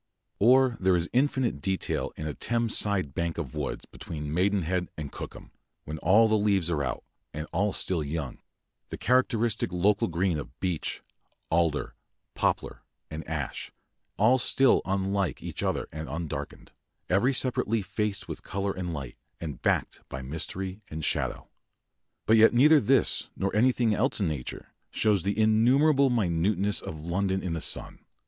Or there is infinite detail in a Thames side bank of woods between Maidenhead and Cookham, when all the leaves are out, and all still young the characteristic local green of beech, alder, poplar, and ash, all still unlike each other and undarkened; every separate leaf faced with colour and light, and backed by mystery and shadow. But yet neither this nor anything else in nature shows the innumerable minuteness of London in the sun.